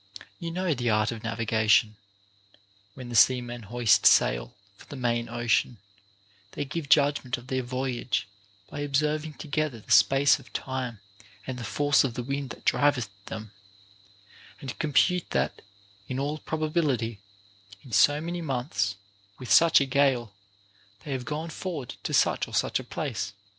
You know the art of navigation ; when the seamen hoist sail for the main ocean, they give judgment of their voyage by observing together the space of time and the force of the wind that driveth them, and compute that, in all probability, in so many months, with such a gale, they have gone forward to such or such a place.